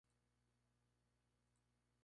Su entrenador es Marco Sánchez.